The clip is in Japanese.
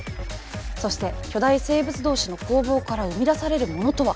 そして巨大生物同士の攻防から生み出されるものとは？